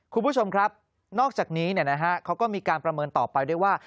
คุณผู้ชมครับนอกจากนี้เขาก็มีการประเมินต่อไปด้วยว่า